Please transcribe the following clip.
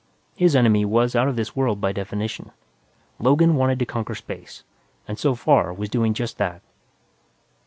His enemy was out of this world by definition; Logan wanted to conquer space and, so far, was doing just that.